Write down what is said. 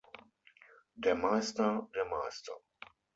Der Meister, der Meister!